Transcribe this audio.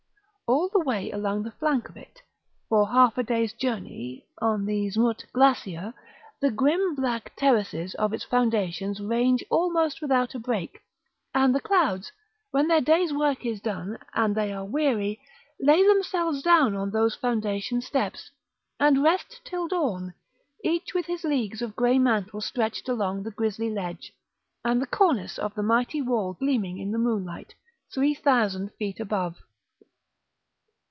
All the way along the flank of it, for half a day's journey on the Zmutt glacier, the grim black terraces of its foundations range almost without a break; and the clouds, when their day's work is done, and they are weary, lay themselves down on those foundation steps, and rest till dawn, each with his leagues of grey mantle stretched along the grisly ledge, and the cornice of the mighty wall gleaming in the moonlight, three thousand feet above.